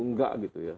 enggak gitu ya